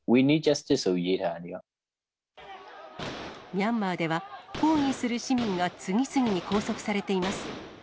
ミャンマーでは、抗議する市民が次々に拘束されています。